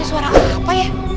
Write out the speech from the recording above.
itu suara apa ya